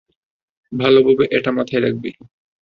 ভালোভাবে এটা মাথায় রাখবি।